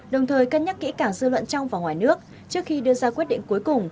đồng thời cân nhắc kỹ cảng dư luận trong và ngoài nước trước khi đưa ra quyết định cuối cùng